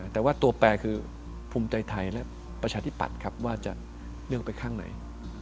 แต่ว่าตัวแปลคือภูมิใจไทยและประชาธิปัตย์ครับว่าจะเลือกไปข้างไหน